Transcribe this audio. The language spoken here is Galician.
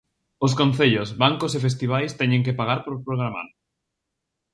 Os concellos, bancos e festivais teñen que pagar por programar.